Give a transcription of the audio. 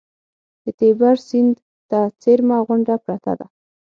د تیبر سیند ته څېرمه غونډه پرته ده.